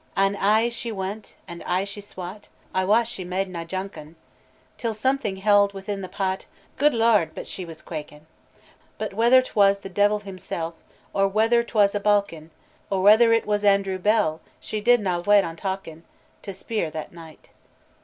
"An' ay she win't, an' ay she swat I wat she made nae jaukin; Till something held within the pat, Guid Lord! but she was quakin! But whether 't was the Deil himsel, Or whether 't was a bauk en' Or whether it was Andrew Bell, She did na wait on talkin To speir that night."